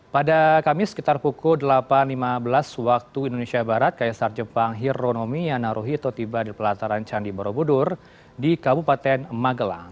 pada kamis sekitar pukul delapan lima belas waktu indonesia barat kaisar jepang hironomiya naruhito tiba di pelataran candi borobudur di kabupaten magelang